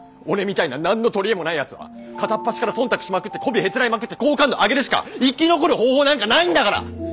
俺みたいな何の取り柄もないやつは片っ端から忖度しまくってこびへつらいまくって好感度上げるしか生き残る方法なんかないんだから！